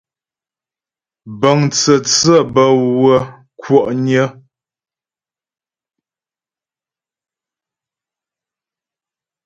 Bəŋ tsə̂tsě bə́ wə́ kwɔ'nyə.